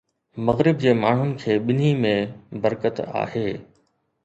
مغرب جي ماڻهن کي ٻنهي ۾ برڪت آهي.